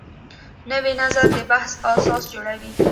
نوی نظر د بحث اساس جوړوي